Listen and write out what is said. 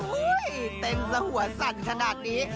อู้๊ยเต็มซะหัวสั่งขนาดนี้